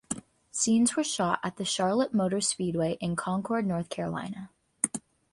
Scenes were shot at the Charlotte Motor Speedway in Concord, North Carolina.